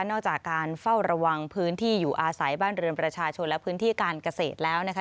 จากการเฝ้าระวังพื้นที่อยู่อาศัยบ้านเรือนประชาชนและพื้นที่การเกษตรแล้วนะคะ